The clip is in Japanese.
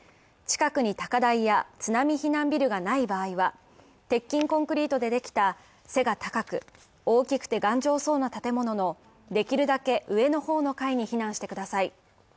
近くに高台や津波避難ビルがない場合は、鉄筋コンクリートでできた背が高く大きくて頑丈そうな建物のできるだけ上の方の階に避難してください